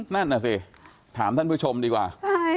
นั่นน่ะสิถามท่านผู้ชมดีกว่า